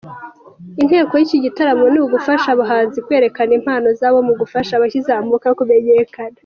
Intego y'iki gitaramo ni ugufasha abahanzi kwerekana impano zabo no gufasha abakizamuka kumenyekana.